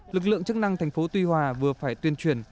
lực lượng chức năng thành phố tuy hòa vừa phải tuyên truyền